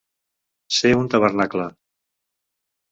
Ser un tabernacle.